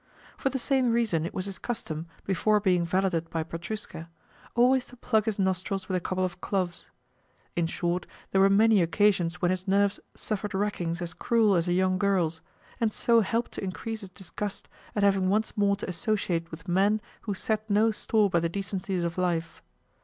For the same reason it was his custom, before being valeted by Petrushka, always to plug his nostrils with a couple of cloves. In short, there were many occasions when his nerves suffered rackings as cruel as a young girl's, and so helped to increase his disgust at having once more to associate with men who set no store by the decencies of life.